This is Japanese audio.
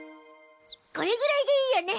これぐらいでいいよね。